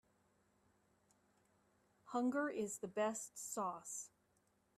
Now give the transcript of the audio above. Hunger is the best sauce.